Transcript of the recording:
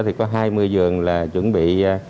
thì có hai mươi giường là chuẩn bị